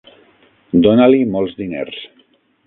Dona-li molts diners.